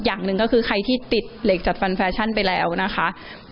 ก็เห็นมาหลายเคสแล้วว่านะคะ